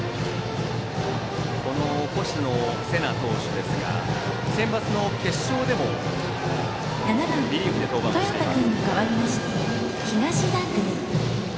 星野世那投手ですがセンバツの決勝でもリリーフで登板しています。